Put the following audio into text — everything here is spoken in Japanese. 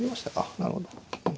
なるほど。